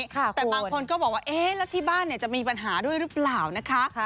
แต่บางคนก็บอกว่าเอ๊ะแล้วที่บ้านจะมีปัญหาด้วยหรือเปล่านะคะ